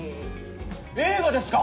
映画ですか！？